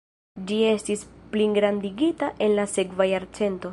Ĝi estis pligrandigita en la sekva jarcento.